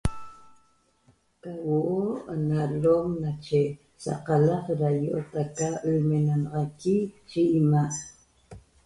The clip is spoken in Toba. da huo na alom nache saqalac da ioot aca lmenaxanaxaqui chiina